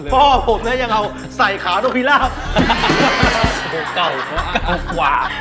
เพราะพ่อผมนะยังเอาใส่ขาตัวหิราบ